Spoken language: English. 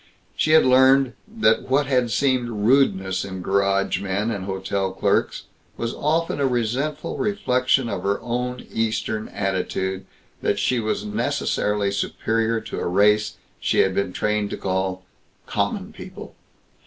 She had learned that what had seemed rudeness in garage men and hotel clerks was often a resentful reflection of her own Eastern attitude that she was necessarily superior to a race she had been trained to call "common people."